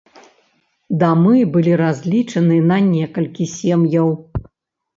Дамы былі разлічаны на некалькі сем'яў.